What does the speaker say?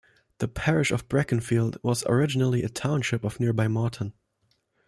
The parish of Brackenfield was originally a township of nearby Morton.